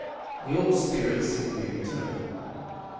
The old spirit seemed to be returning.